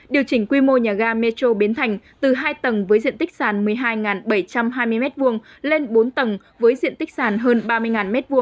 điều chỉnh quy mô nhà ga metro biến thành từ hai tầng với diện tích sàn một mươi hai bảy trăm hai mươi m hai lên bốn tầng với diện tích sàn hơn ba mươi m hai